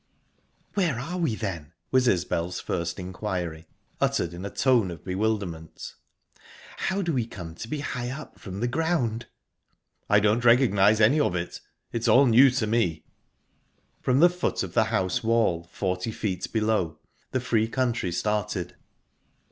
"Where are we, then?" was Isbel's first inquiry, uttered in a tone of bewilderment. "How do we come to be to high up from the ground?" "I don't recognise any of it. It's all new to me." From the foot of the house wall, forty feet below, the free country started.